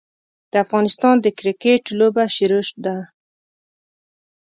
د افغانستان د کرکیټ لوبه شروع ده.